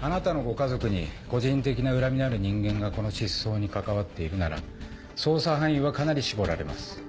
あなたのご家族に個人的な恨みのある人間がこの失踪に関わっているなら捜査範囲はかなり絞られます。